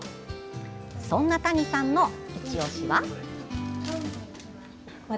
そんな谷さんのいちオシは？